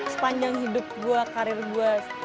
sepanjang hidup gue karir gue